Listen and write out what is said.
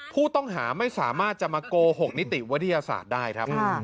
ผู้ต้องหาไม่สามารถจะมาโกหกนิติวิทยาศาสตร์ได้ครับ